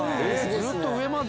ずっと上まで。